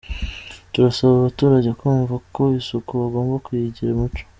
Turasaba abaturage kumva ko isuku bagomba kuyigira umuco.